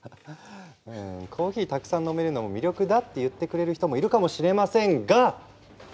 コーヒーたくさん飲めるのも魅力だって言ってくれる人もいるかもしれませんが！